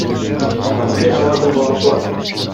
Анткени алардын баласы бар.